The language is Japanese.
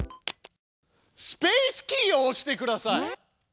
スペースキーを押してください。